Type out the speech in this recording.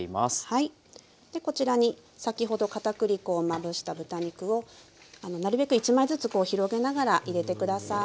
はいでこちらに先ほど片栗粉をまぶした豚肉をなるべく１枚ずつ広げながら入れて下さい。